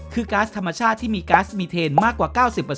คือก๊าซธรรมชาติที่มีก๊าซมีเทนมากกว่า๙๐